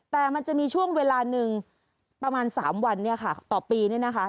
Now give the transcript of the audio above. แต่มันจะมีช่วงเวลาหนึ่งประมาณ๓วันต่อปี